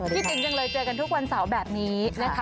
ติ๋มจังเลยเจอกันทุกวันเสาร์แบบนี้นะคะ